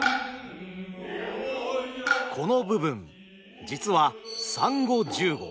この部分実は「三五十五」。